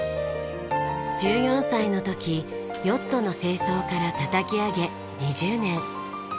１４歳の時ヨットの清掃からたたき上げ２０年。